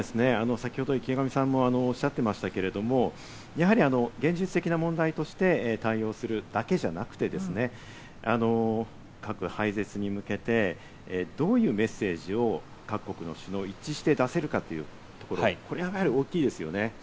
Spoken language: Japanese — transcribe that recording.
先ほど池上さんもおっしゃってましたけれど、やはり現実的な問題として対応するだけじゃなくて、核廃絶に向けてどういうメッセージを各国の首脳が一致して出せるか、これがやはり大きいですね。